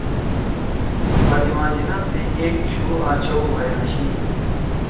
فاطمہ جناح سی ایک شُو آں چؤ بھئی آشی